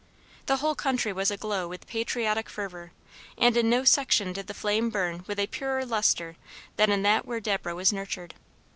The whole country was aglow with patriotic fervor, and in no section did the flame burn with a purer luster than in that where Deborah was nurtured.